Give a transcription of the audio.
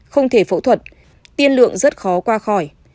không thể phẫu thuật tiên lượng rất khó qua khỏi